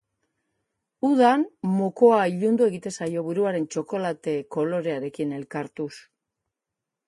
Udan mokoa ilundu egiten zaio buruaren txokolate kolorearekin elkartuz.